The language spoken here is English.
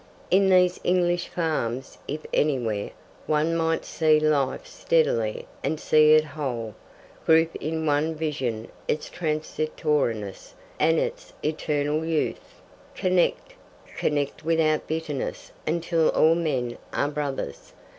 In these English farms, if anywhere, one might see life steadily and see it whole, group in one vision its transitoriness and its eternal youth, connect connect without bitterness until all men are brothers.